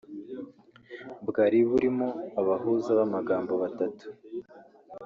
Bwari burimo abahuza b’amagambo batatu